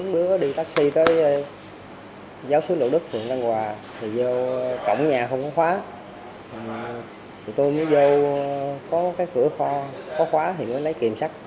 đâu có cái cửa kho có khóa thì mới lấy kiềm sắt